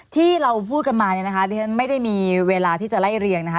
ที่เราพูดกันมาเนี่ยนะคะที่ฉันไม่ได้มีเวลาที่จะไล่เรียงนะคะ